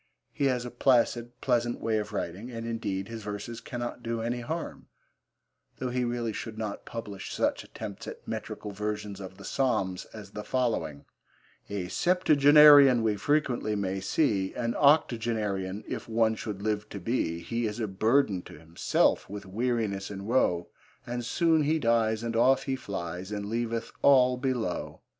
He has a placid, pleasant way of writing, and, indeed, his verses cannot do any harm, though he really should not publish such attempts at metrical versions of the Psalms as the following: A septuagenarian We frequently may see; An octogenarian If one should live to be, He is a burden to himself With weariness and woe And soon he dies, and off he flies, And leaveth all below.